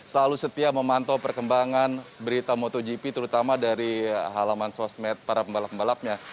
selalu setia memantau perkembangan berita motogp terutama dari halaman sosmed para pembalap pembalapnya